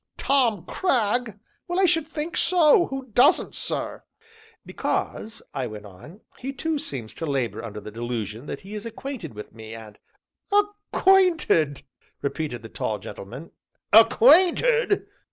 "Tom Cragg! well, I should think so; who doesn't, sir?" "Because," I went on, "he too seems to labor under the delusion that he is acquainted with me, and " "Acquainted!" repeated the tall gentleman, "acquainted!